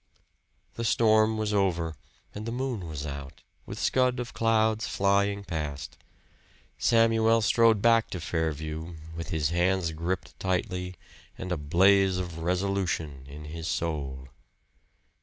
The storm was over and the moon was out, with scud of clouds flying past. Samuel strode back to "Fairview," with his hands gripped tightly, and a blaze of resolution in his soul.